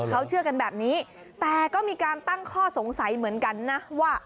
เขาเชื่อกันแบบนี้แต่ก็มีการตั้งข้อสงสัยเหมือนกันนะว่า